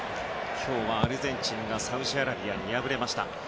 今日はアルゼンチンがサウジアラビアに敗れました。